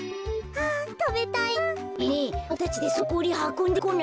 あたべたいな。